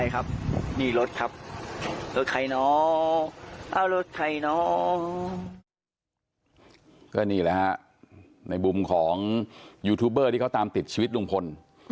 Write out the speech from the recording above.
ก็นี่แหละฮะในมุมของยูทูบเบอร์ที่เขาตามติดชีวิตลุงพล